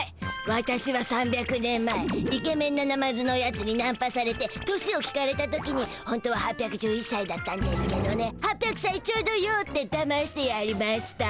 ワタシは３００年前イケメンなナマズのやつにナンパされて年を聞かれた時にほんとは８１１さいだったんでしゅけどね「８００さいちょうどよ」ってだましてやりました。